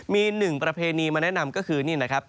มี๑ประเพณีมาแนะนำก็คือนี่